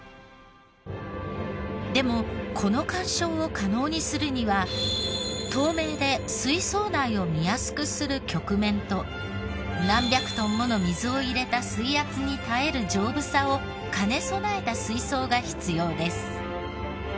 でもこの鑑賞を可能にするには透明で水槽内を見やすくする曲面と何百トンもの水を入れた水圧に耐える丈夫さを兼ね備えた水槽が必要です。